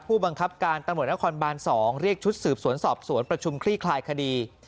ผู้บังคับการตำรวจนครบาน๒เรียกชุดสืบสวนสอบสวนประชุมคลี่คลายคดี